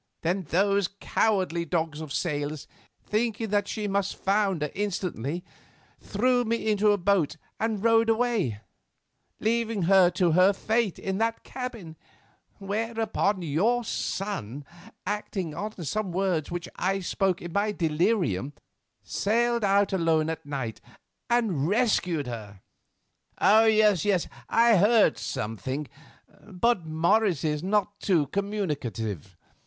Then those cowardly dogs of sailors, thinking that she must founder instantly, threw me into the boat and rowed away, leaving her to her fate in the cabin; whereon your son, acting on some words which I spoke in my delirium, sailed out alone at night and rescued her." "Yes, I heard something, but Morris is not too communicative.